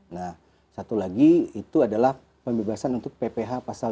nah satu lagi itu adalah pembebasan untuk pph pasal dua puluh